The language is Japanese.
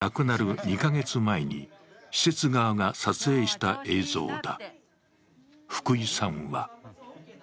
これは美枝さんが亡くなる２か月前に施設側が撮影した映像だ。